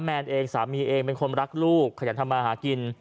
แนนเองสามีเองเป็นคนรักลูกขยันทำมาหากิน